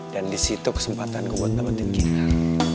dan di situ kesempatan gue buat dapetin kiner